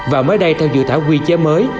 và mới đây theo dự thảo quy chế mới